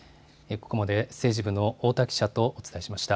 ここまで、政治部の太田記者とお伝えしました。